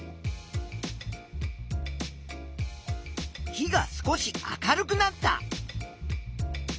火が少し明るくなった。